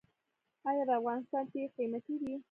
آیا د افغانستان تیږې قیمتي دي؟